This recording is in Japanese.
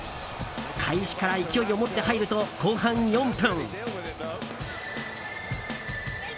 開始から勢いを持って入ると後半４分。